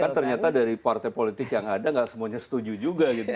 kan ternyata dari partai politik yang ada nggak semuanya setuju juga gitu